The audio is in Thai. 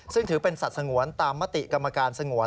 ซึ่งถือเป็นสัตว์สงวนตามมติกรรมการสงวน